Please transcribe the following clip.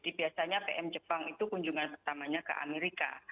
pertama pm suga yang ke jepang itu kunjungan pertamanya ke amerika